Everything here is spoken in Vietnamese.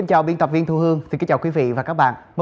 dầu diazen năm s giảm chín mươi